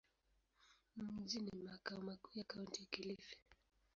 Mji ni makao makuu ya Kaunti ya Kilifi.